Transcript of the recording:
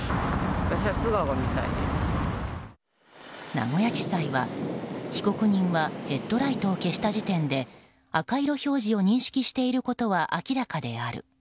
名古屋地裁は被告人はヘッドライトを消した時点で赤色表示を認識していることは明らかである。